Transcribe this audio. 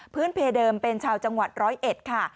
เพเดิมเป็นชาวจังหวัดร้อยเอ็ดค่ะ